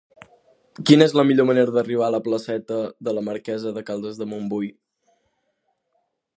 Quina és la millor manera d'arribar a la placeta de la Marquesa de Caldes de Montbui?